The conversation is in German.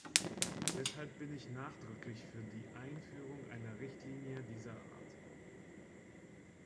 Deshalb bin ich nachdrücklich für die Einführung einer Richtlinie dieser Art.